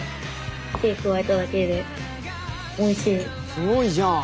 すごいじゃん！